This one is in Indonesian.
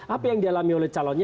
apa yang dialami oleh calonnya